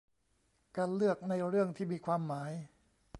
การเลือกในเรื่องที่มีความหมาย